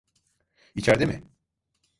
İçerde mi?